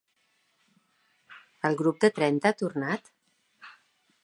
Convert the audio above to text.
El grup de trenta ha tornat?